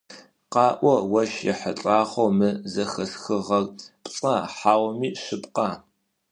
Къаӏо, ощ ехьылӀагъэу мы зэхэсхыгъэр пцӀа хьауми шъыпкъа?